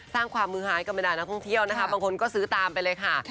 สร้างความมือหายกับบรรดานักท่องเที่ยวนะคะบางคนก็ซื้อตามไปเลยค่ะ